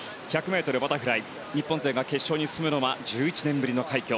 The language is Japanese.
１００ｍバタフライ日本勢が決勝に進むのは１１年ぶりの快挙。